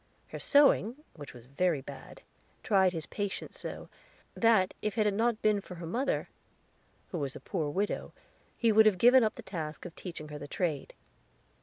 Her sewing, which was very bad, tried his patience so, that if it had not been for her mother, who was a poor widow, he would have given up the task of teaching her the trade.